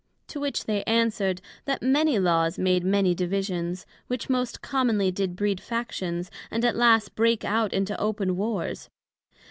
To which they answered, That many Laws made many Divisions, which most commonly did breed Factions, and at last brake out into open Wars.